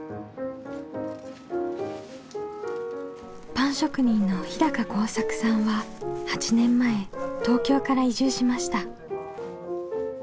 パン職人の日晃作さんは８年前東京から移住しました。